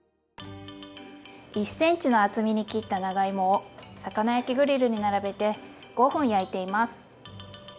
１ｃｍの厚みに切った長芋を魚焼きグリルに並べて５分焼いています。